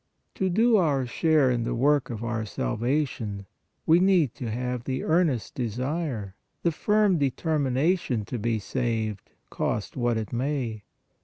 To do our share in the work of our salvation, we need POWER OF PRAYER 35 to have the earnest desire, the firm determination to be saved, cost what it may.